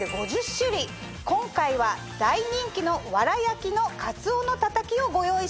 今回は大人気の藁焼きのかつおのたたきをご用意しました。